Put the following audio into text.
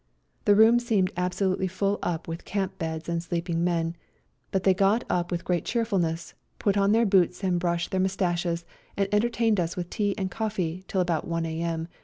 The room seemed absolutely ftdl up with camp beds and sleeping men, but they got up with great cheerfulness, put on their boots and brushed their moustaches and entertained us with tea and coffee till about 1 a.m.